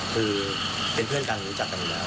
คือเป็นเพื่อนกันรู้จักกันอยู่แล้ว